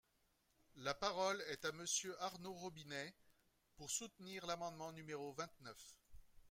La parole est à Monsieur Arnaud Robinet, pour soutenir l’amendement numéro vingt-neuf.